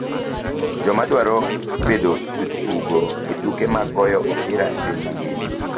Joma dwaro bedo jotugo e tuke mag goyo opira e piny mangima